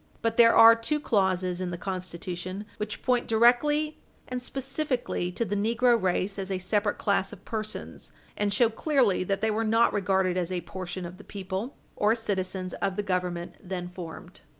But there are two clauses in the Constitution which point directly and specifically to the negro race as a separate class of persons, and show clearly that they were not regarded as a portion of the people or citizens of the Government then formed.